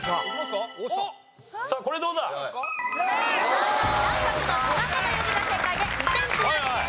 産卵卵白の「卵」という字が正解で２点積み立てです。